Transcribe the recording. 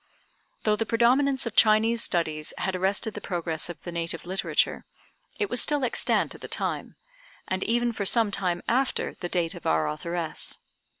Though the predominance of Chinese studies had arrested the progress of the native literature, it was still extant at the time, and even for some time after the date of our authoress.